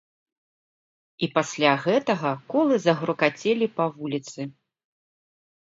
І пасля гэтага колы загрукацелі па вуліцы.